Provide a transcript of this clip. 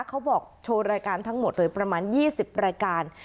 เขาบอกโชว์รายการทั้งหมดเลยประมาณ๒๐รายการ